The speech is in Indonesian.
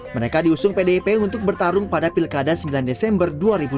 mereka diusung pdip untuk bertarung pada pilkada sembilan desember dua ribu dua puluh